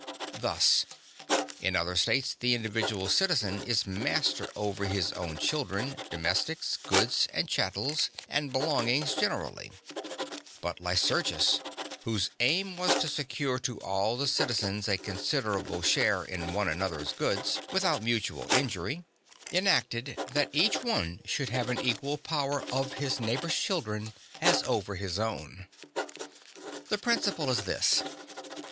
Thus: in other states the individual citizen is master over his own children, domestics, (1) goods and chattels, and belongings generally; but Lycurgus, whose aim was to secure to all the citizens a considerable share in one another's goods without mutual injury, enacted that each one should have an equal power of his neighbour's children as over his own. (2) The principle is this.